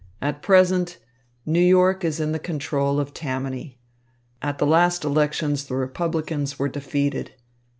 "At present New York is in the control of Tammany. At the last elections the Republicans were defeated.